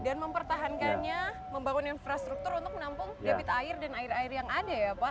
dan mempertahankannya membangun infrastruktur untuk menampung debit air dan air air yang ada ya pak